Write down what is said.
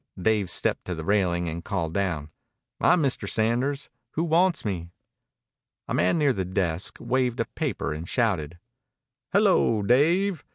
Dave stepped to the railing and called down. "I'm Mr. Sanders. Who wants me?" A man near the desk waved a paper and shouted: "Hello, Dave!